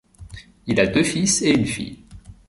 Il a deux fils et une fille.